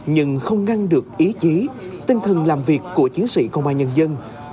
nhưng không ngăn được ý chí tinh thần làm việc của chiến sĩ công an nhân dân